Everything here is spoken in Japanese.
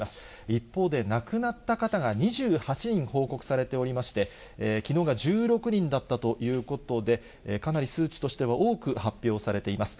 一方で亡くなった方が２８人報告されておりまして、きのうが１６人だったということで、かなり数値としては多く発表されています。